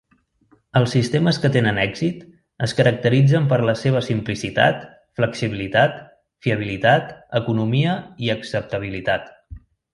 Els sistemes que tenen èxit es caracteritzen per la seva simplicitat, flexibilitat, fiabilitat, economia i acceptabilitat.